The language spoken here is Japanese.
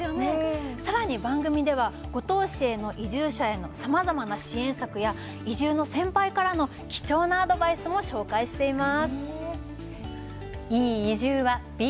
番組では五島市の移住者へのさまざまな支援策や移住の先輩からの貴重なアドバイスも紹介しています。